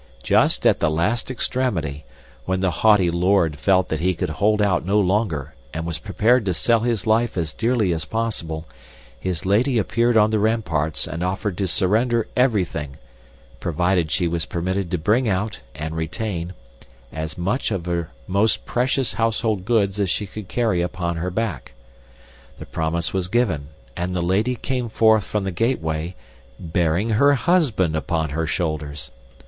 Just at the last extremity, when the haughty lord felt that he could hold out no longer and was prepared to sell his life as dearly as possible, his lady appeared on the ramparts and offered to surrender everything, provided she was permitted to bring out, and retain, as much of her most precious household goods as she could carry upon her back. The promise was given, and the lady came forth from the gateway, bearing her husband upon her shoulders.